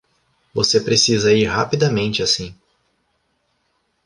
Você precisa ir rapidamente assim.